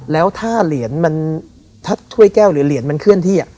แล้วถ้าเหรียญมันถ้าถ้วยแก้วหรือเหรียญมันเคลื่อนที่